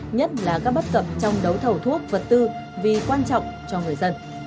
nhất là các bất cập trong đấu thầu thuốc vật tư vì quan trọng cho người dân